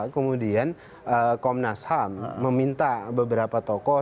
kemudian komnas ham meminta beberapa tokoh